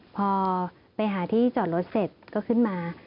พอไปหาที่จอดรถเสร็จก็ขึ้นมา